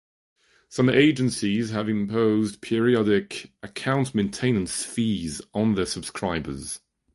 Some agencies have imposed periodic account maintenance fees on their subscribers.